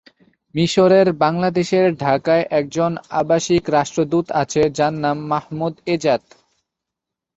মিশরের বাংলাদেশের ঢাকায় একজন আবাসিক রাষ্ট্রদূত আছে, যার নাম মাহমুদ এজাত।